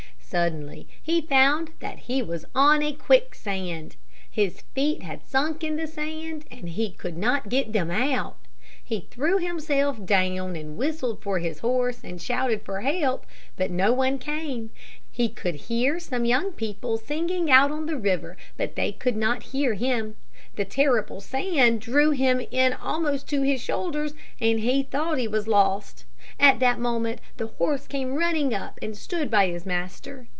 Suddenly he found that he was on a quicksand. His feet had sunk in the sand, and he could not get them out. He threw himself down, and whistled for his horse, and shouted for help, but no one came. He could hear some young people singing out on the river, but they could not hear him. The terrible sand drew him in almost to his shoulders, and he thought he was lost. At that moment the horse came running up, and stood by his master.